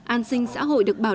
an sinh xã hội được bắt đầu